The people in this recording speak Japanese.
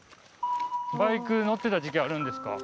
バイク乗ってた時期あるんですか？